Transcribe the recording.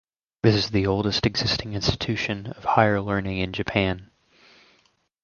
This is the oldest existing institution of higher learning in Japan.